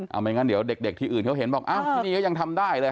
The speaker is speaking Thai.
เอาไม่งั้นเดี๋ยวเด็กที่อื่นเขาเห็นบอกอ้าวที่นี่ก็ยังทำได้เลย